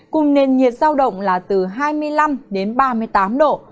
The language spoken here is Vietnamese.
cùng nền nhiệt giao động là từ hai mươi năm đến ba mươi tám độ